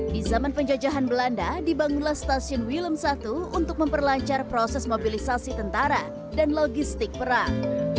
di zaman penjajahan belanda dibangunlah stasiun willem satu untuk memperlancar proses mobilisasi tentara dan logistik perang